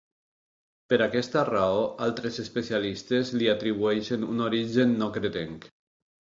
Per aquesta raó, altres especialistes li atribueixen un origen no cretenc.